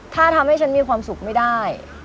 ถ้าทำให้ฉันมีความสุขไม่ได้